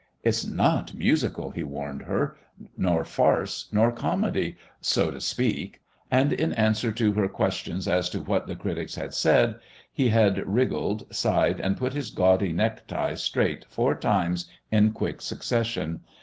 "It's not musical," he warned her, "nor farce, nor comedy, so to speak"; and in answer to her question as to what the Critics had said, he had wriggled, sighed, and put his gaudy necktie straight four times in quick succession.